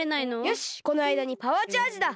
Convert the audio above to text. よしこのあいだにパワーチャージだ。